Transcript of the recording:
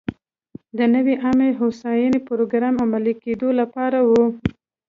د نوې عامه هوساینې پروګرام عملي کېدو لپاره و.